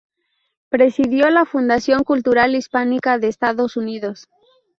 Presidió la Fundación Cultural Hispánica de Estados Unidos.